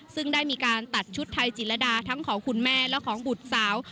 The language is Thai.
ซึ่งได้มีการตัดชุดไทยจิลดาทั้งของคุณแม่และของบุตรสาว